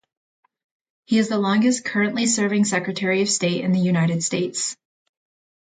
He is the longest currently-serving Secretary of State in the United States.